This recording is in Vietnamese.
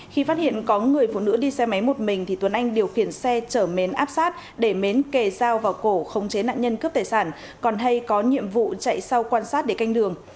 khi phát hiện có người phụ nữ đi xe máy một mình thì tuấn anh điều khiển xe chở mến áp sát để mến kề dao vào cổ không chế nạn nhân cướp tài sản còn hay có nhiệm vụ chạy sau quan sát để canh đường